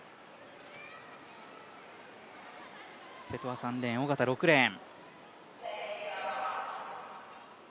瀬戸は３レーン、小方は６レーン。